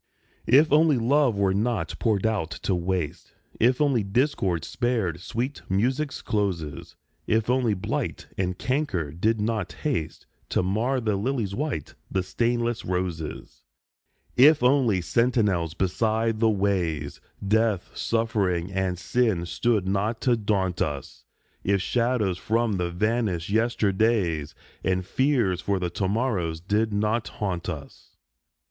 If only love were not poured out to waste, If only discord spared sweet music's closes, If only blight and canker did not haste To mar the lily's white, the stainless roses ! If only sentinels beside the ways, Death, suffering, and sin stood not to daunt us, If shadows from the vanished yesterdays And fears for the to morrows did not haunt us.